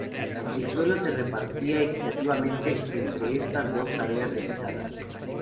El sueldo se repartía equitativamente entre estas dos tareas realizadas.